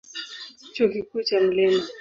Chuo Kikuu cha Mt.